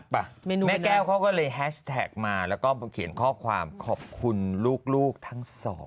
ไปแม่แก้วเขาก็เลยแฮชแท็กมาแล้วก็เขียนข้อความขอบคุณลูกทั้งสอง